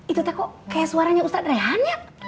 itu tak kok kayak suaranya ustadz rehan ya